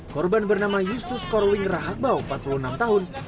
korban bernama yustus korwing rahadbau empat puluh enam tahun